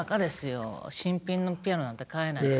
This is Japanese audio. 新品のピアノなんて買えないから。